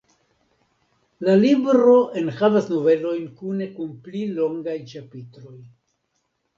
La libro enhavas novelojn kune kun pli longaj ĉapitroj.